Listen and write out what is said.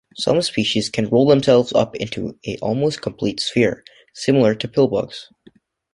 Some species can roll themselves up into an almost complete sphere, similar to pillbugs.